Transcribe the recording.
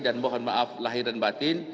dan mohon maaf lahiran batin